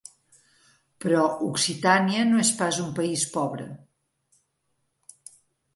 Però Occitània no és pas un país pobre.